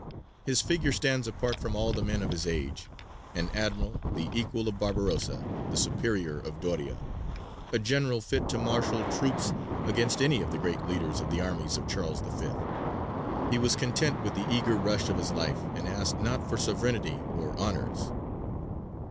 His figure stands apart from all the men of his age: an admiral, the equal of Barbarossa, the superior of Doria; a general fit to marshal troops against any of the great leaders of the armies of Charles V.; he was content with the eager rush of his life, and asked not for sovereignty or honours.